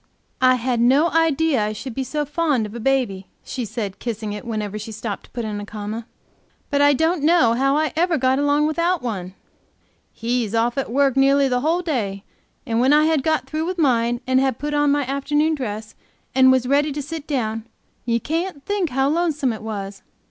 "I had no idea I should be so fond of a baby," she said, kissing it, whenever she stopped to put in a comma; "but I don't know how I ever got along without one. He's off at work nearly the whole day, and when I had got through with mine, and had put on my afternoon dress, and was ready to sit down, you can't think how lonesome it was.